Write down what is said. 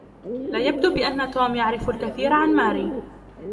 لا يبدو بأن توم يعرف الكثير عن ماري.